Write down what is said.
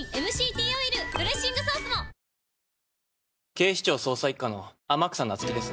警視庁捜査一課の天草那月です。